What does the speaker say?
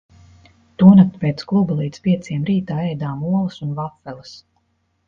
Tonakt pēc kluba līdz pieciem rītā ēdām olas un vafeles.